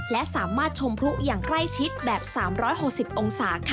และสามารถชมพลุอย่างใกล้ชิดแบบ๓๖๐องศาค่ะ